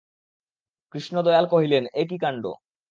কৃষ্ণদয়াল কহিলেন, এ কী কাণ্ড!